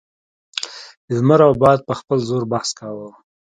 لمر او باد په خپل زور بحث کاوه.